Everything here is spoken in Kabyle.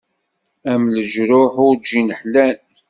Am leǧruḥ urǧin ḥlan.